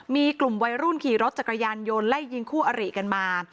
มีกลุ่มวัยรุ่นขี่รถจักรยานยนต์ไล่ยิงคู่อริกันมา